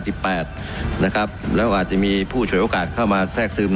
แปดนะครับแล้วก็อาจจะมีผู้ช่วยโอกาสเข้ามาแทรกซึม